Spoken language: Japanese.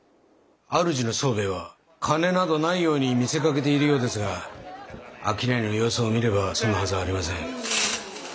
主の宗兵衛は金などないように見せかけているようですが商いの様子を見ればそんなはずはありません。